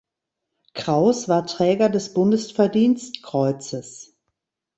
Krauss war Träger des Bundesverdienstkreuzes.